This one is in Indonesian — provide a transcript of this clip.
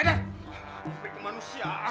diberi kemanusiaan sekarang